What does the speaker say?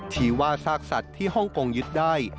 ชี้ว่าซากสัตว์ที่ฮ่องกงยึดได้